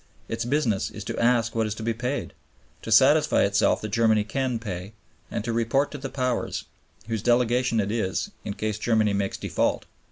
Its business is to ask what is to be paid; to satisfy itself that Germany can pay; and to report to the Powers, whose delegation it is, in case Germany makes default.